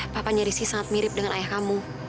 papanya rizky sangat mirip dengan ayah kamu